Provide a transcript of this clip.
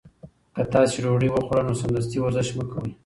که تاسي ډوډۍ وخوړه نو سمدستي ورزش مه کوئ.